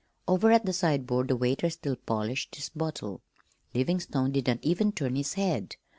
Over at the sideboard the waiter still polished his bottle. Livingstone did not even turn his head.